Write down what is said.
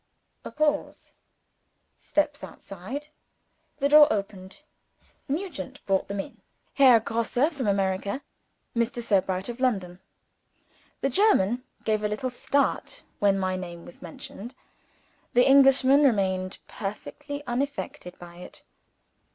A pause. Steps outside. The door opened. Nugent brought them in. Herr Grosse, from America. Mr. Sebright of London. The German gave a little start when my name was mentioned. The Englishman remained perfectly unaffected by it.